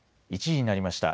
１時になりました。